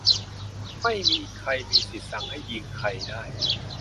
ไม่มีใครมีสิทธิ์สั่งให้ "ยิง" ใครได้